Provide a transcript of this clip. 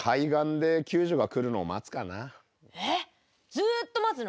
ずっと待つの？